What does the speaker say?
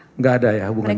tidak ada ya hubungannya